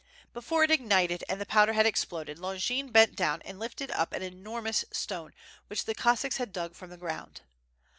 Before it ignited and the powder had exploded, Longin bent down and lifted up an enormous stone which the Cos sacks had dug from the ground.